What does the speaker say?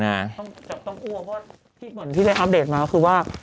เหมือนที่ได้อัปเดตมาคือว่า